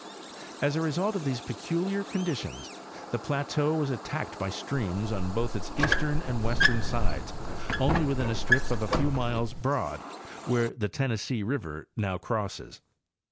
As a result of these peculiar conditions the plateau was attacked by streams on both its eastern and western sides only within a strip a few miles broad, where the Tennessee river now crosses.